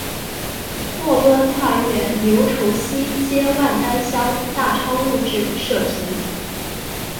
末端跨越牛稠溪接万丹乡大昌路至社皮。